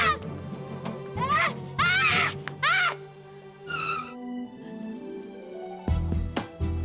apa aja apalagi